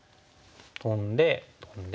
トンでトンで。